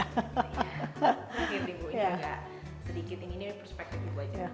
ini bu juga sedikit ini perspektif bu aja